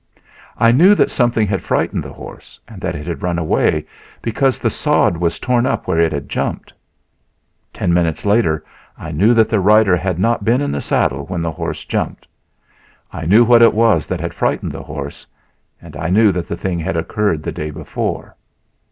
I knew that something had frightened the horse and that it had run away, because the sod was torn up where it had jumped...Ten minutes later I knew that the rider had not been in the saddle when the horse jumped; I knew what it was that had frightened the horse; and I knew that the thing had occurred the day before.